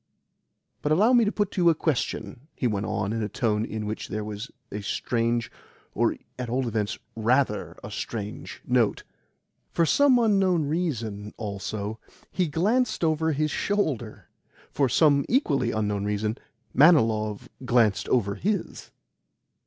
"But allow me to put to you a question," he went on in a tone in which there was a strange or, at all events, RATHER a strange note. For some unknown reason, also, he glanced over his shoulder. For some equally unknown reason, Manilov glanced over HIS.